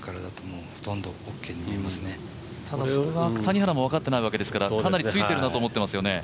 ただ、それは谷原も分かってないわけですから、かなりついてるなと思ってますよね。